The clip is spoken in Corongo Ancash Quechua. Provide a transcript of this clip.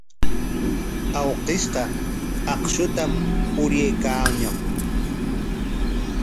Awkishqa akshunta uryaykanñam.